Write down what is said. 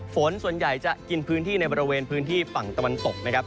ฝนส่วนใหญ่จะกินพื้นที่ในบริเวณพื้นที่ฝั่งตะวันตกนะครับ